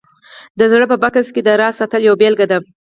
د زړه په بکس کې د راز ساتل یوه بېلګه ده